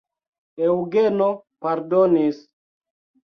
Eŭgeno pardonis.